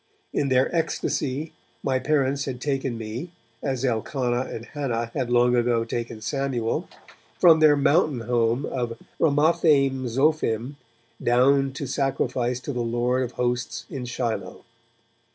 In their ecstasy, my parents had taken me, as Elkanah and Hannah had long ago taken Samuel, from their mountain home of Ramathaim Zophim down to sacrifice to the Lord of Hosts in Shiloh.